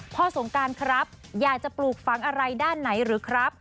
สงการครับอยากจะปลูกฝังอะไรด้านไหนหรือครับ